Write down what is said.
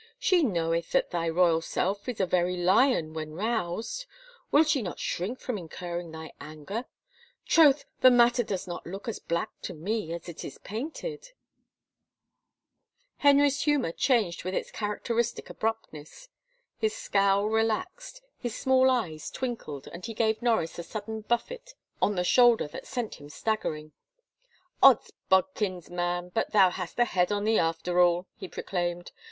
She knoweth that thy royal self is a very lion when roused. Will she not shrink from incurring thy anger? ... Troth, the matter does not look as black to me as it is painted !" Henry's humor changed with its characteristic abrupt ness. His scowl relaxed, his small eyes twinkled and he gave Norris a sudden buffet on the shoulder that sent him staggering " Od*s bodkins, man, but thou hast a head on thee after all !" he proclaimed.